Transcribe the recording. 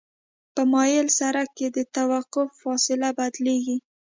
په مایل سرک کې د توقف فاصله بدلیږي